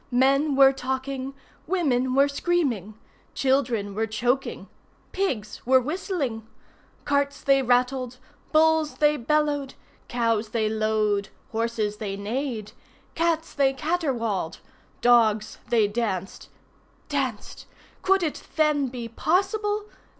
Men were talking. Women were screaming. Children were choking. Pigs were whistling. Carts they rattled. Bulls they bellowed. Cows they lowed. Horses they neighed. Cats they caterwauled. Dogs they danced. Danced! Could it then be possible?